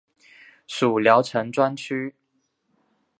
属聊城专区。